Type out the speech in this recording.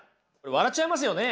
笑っちゃいますよね？